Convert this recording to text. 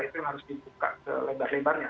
itu yang harus dibuka selebar lebarnya